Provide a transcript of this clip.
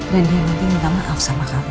dan yang penting minta maaf sama kamu